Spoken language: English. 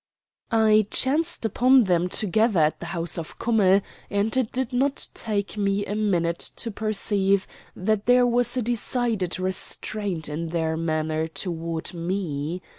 I chanced upon them together at the house of Kummell, and it did not take me a minute to perceive that there was a decided restraint in their manner toward me.